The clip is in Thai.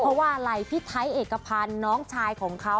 เพราะว่าอะไรพี่ไทยเอกพันธ์น้องชายของเขา